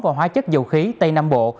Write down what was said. và hóa chất dầu khí tây nam bộ